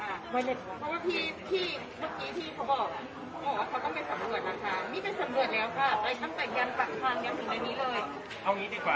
อ๋อเขากำลังไปสำรวจนะคะ